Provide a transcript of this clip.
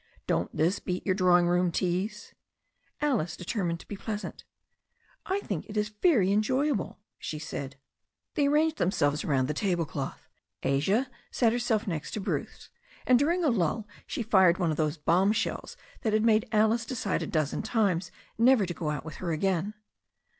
"Don't this beat your drawing room teas?" Alice determined to be pleasant. "I think it is very enjoyable," she said. 62 THE STORY OF A NEW ZEALAND RIVER They arranged themselves around the table cloth. Asia sat herself next to Bruce, and during a lull she fired one of those bombshells that had made Alice decide a dozen times never to go out with her again.